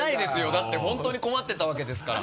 だって本当に困ってたわけですから。